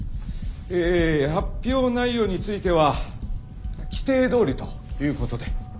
え発表内容については規定どおりということで。